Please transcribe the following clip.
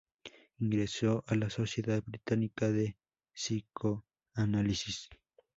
Ingresó a la Sociedad británica de psicoanálisis.